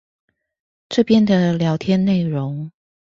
這邊的聊天內容